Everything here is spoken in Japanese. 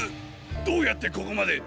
どうやってここまで！？